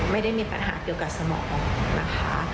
ไม่ได้มีปัญหาเกี่ยวกับสมองนะคะ